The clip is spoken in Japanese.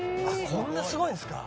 「こんなすごいんですか」